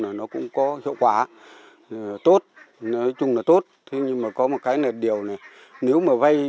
là nó cũng có hiệu quả tốt nói chung là tốt thế nhưng mà có một cái là điều này nếu mà vay